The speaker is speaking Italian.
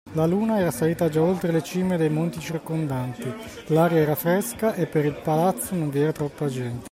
La Luna era salita già oltre le cime dei monti circondanti, l’aria era fresca, e per il palazzo non vi era troppa gente.